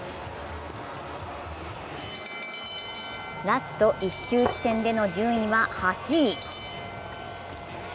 ラスト１周地点での順位は８位。